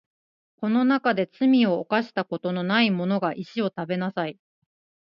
この中で罪を犯したことのないものが石を食べなさい